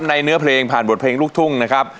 เนื้อเพลงผ่านบทเพลงลูกทุ่งนะครับ